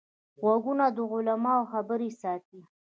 غوږونه د علماوو خبرې ساتي